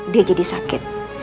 dia jadi sakit